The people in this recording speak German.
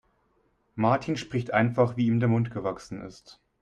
Martin spricht einfach, wie ihm der Mund gewachsen ist.